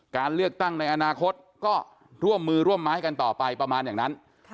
การเลือกตั้งในอนาคตก็ร่วมมือร่วมไม้กันต่อไปประมาณอย่างนั้น